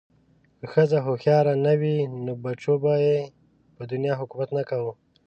که ښځه هوښیاره نه وی نو بچو به ېې په دنیا حکومت نه کوه